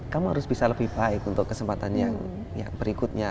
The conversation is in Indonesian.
kamu harus bisa lebih baik untuk kesempatan yang berikutnya